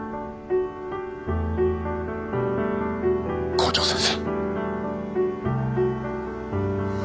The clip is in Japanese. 校長先生。